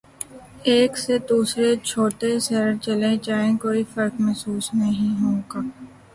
ایک سے دوسرے چھوٹے شہر چلے جائیں کوئی فرق محسوس نہیں ہو گا۔